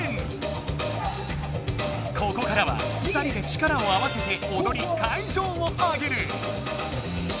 ここからは２人で力を合わせておどり会場をアゲる！